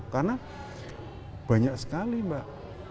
karena banyak sekali mbak